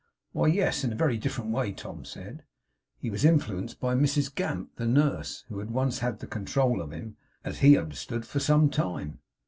Why yes. In a very different way, Tom said, he was influenced by Mrs Gamp, the nurse; who had once had the control of him, as he understood, for some time.